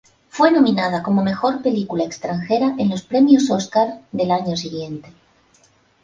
Fue nominada como Mejor Película Extranjera en los Premios Óscar del año siguiente.